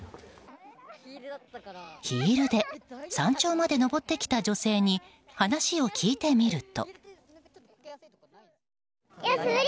ヒールで山頂まで登ってきた女性に話を聞いてみると。